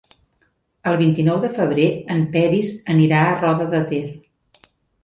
El vint-i-nou de febrer en Peris anirà a Roda de Ter.